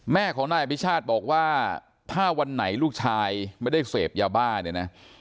แม่ของนายอภิชาติบอกว่าถ้าวันไหนลูกชายไม่ได้เสพยาบ้าเนี่ยนะ